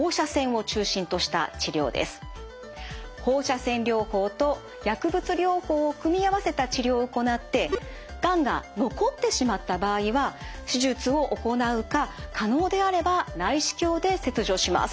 放射線療法と薬物療法を組み合わせた治療を行ってがんが残ってしまった場合は手術を行うか可能であれば内視鏡で切除します。